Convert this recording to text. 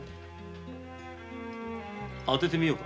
当ててみようか。